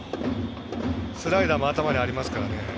スライダーも頭にありますね。